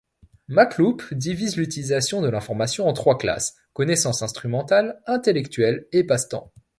Machlup divise l'utilisation de l'information en trois classes: connaissance instrumentale, intellectuelle et passe-temps.